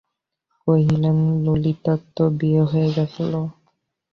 কহিলেন, ললিতার তো বিয়ে হয়ে গেল।